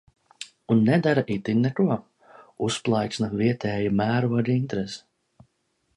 Un nedara itin neko. Uzplaiksna vietēja mēroga interese.